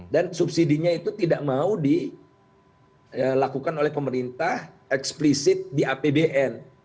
dan subsidinya itu tidak mau dilakukan oleh pemerintah eksplisit di apbn